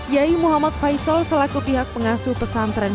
yai muhammad faisal selaku pihak pengasuh pesantren